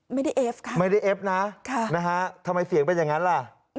ไม่ได้ความวินาฮะไม่ได้ฟรึงนะทำไมเสียงเป็นอย่างนั้นล่ะ